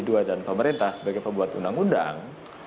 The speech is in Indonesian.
pemerintah sebagai pembuat undang undang